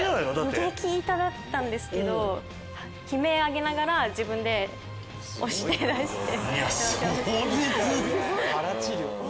激イタだったんですけど悲鳴上げながら自分で押して出して。